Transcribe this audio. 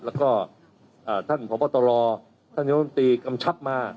แล้วก็ท่านพปตรท่านยนติกำชับมา